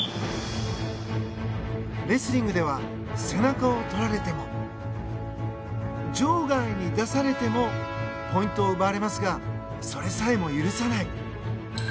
レスリングでは背中をとられても場外に出されてもポイントを奪われますがそれさえも許さない。